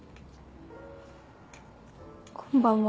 こんばんは。